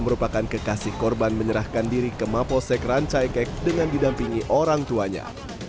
merupakan kekasih korban menyerahkan diri ke mapolsek rancaikek dengan didampingi orang tuanya